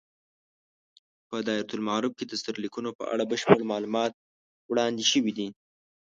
په دایرة المعارف کې د سرلیکونو په اړه بشپړ معلومات وړاندې شوي دي.